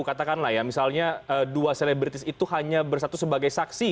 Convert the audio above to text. katakanlah ya misalnya dua selebritis itu hanya bersatu sebagai saksi